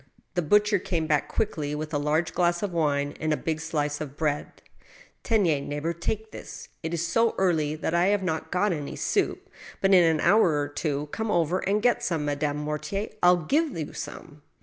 The butcher came back quickly with a large glass of wine and a big slice of bread. " Tenes, neighbor, take that. It is so early that I have not got any soup ; but in an hour or two come over and get some, Madame Mortier. Ill^/w you some."